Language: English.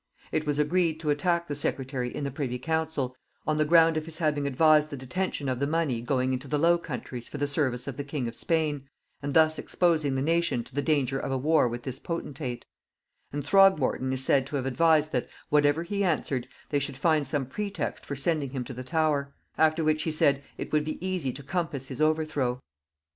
It was agreed to attack the secretary in the privy council, on the ground of his having advised the detention of the money going into the Low Countries for the service of the king of Spain, and thus exposing the nation to the danger of a war with this potentate; and Throgmorton is said to have advised that, whatever he answered, they should find some pretext for sending him to the Tower; after which, he said, it would be easy to compass his overthrow.